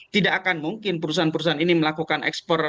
tidak akan mungkin perusahaan perusahaan ini melakukan ekspor